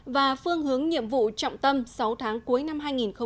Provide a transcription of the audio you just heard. và phương hướng nhiệm vụ trọng tâm sáu tháng cuối năm hai nghìn một mươi tám